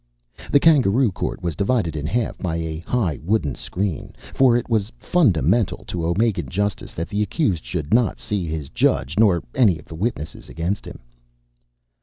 The Kangaroo Court was divided in half by a high wooden screen, for it was fundamental to Omegan justice that the accused should not see his judge nor any of the witnesses against him.